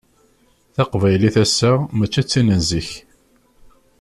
Taqbaylit ass-a mačči d tin n zik.